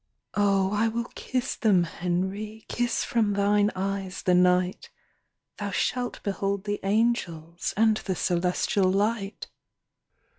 "Oh, I will kiss them, Henry, Kiss from thine eyes the night. Thou shalt behold the angels And the celestial light."